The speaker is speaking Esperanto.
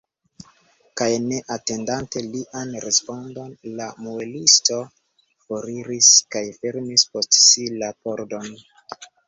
Kaj ne atendante lian respondon, la muelisto foriris kaj fermis post si la pordon.